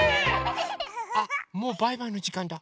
あもうバイバイのじかんだ！